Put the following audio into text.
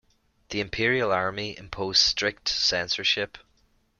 The Imperial Army imposed strict censorship.